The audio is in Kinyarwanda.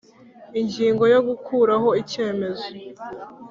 ingingo yo gukuraho icyemezo